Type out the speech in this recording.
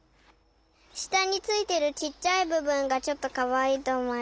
したについてるちっちゃいぶぶんがちょっとかわいいとおもいます。